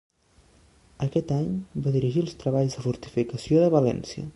Aquest any va dirigir els treballs de fortificació de València.